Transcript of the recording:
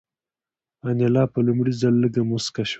انیلا په لومړي ځل لږه موسکه شوه